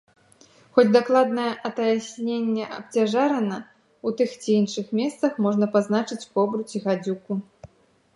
Хоць дакладнае атаясненне абцяжарана, у тых ці іншых месцах можа пазначаць кобру ці гадзюку.